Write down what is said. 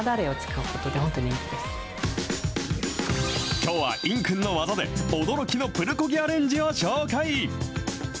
きょうは、いんくんの技で、驚きのプルコギアレンジを紹介。